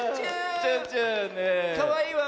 かわいいわ。